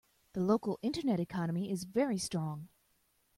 The local internet economy is very strong.